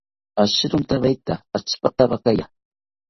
Ashirontaweta atzipatawakaya